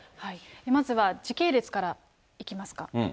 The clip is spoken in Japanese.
まずは時系列からいきますか。